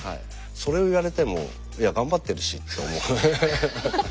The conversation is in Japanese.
それを言われてもいや頑張ってるしって思う。